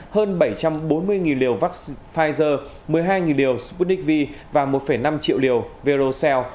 hơn bảy trăm bốn mươi liều pfizer một mươi hai liều sputnik v và một năm triệu liều verocell